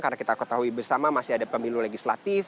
karena kita ketahui bersama masih ada pemilu legislatif